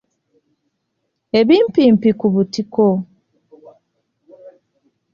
Ebimpimpi ku butiko.